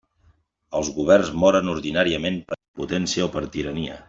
Els governs moren ordinàriament per impotència o per tirania.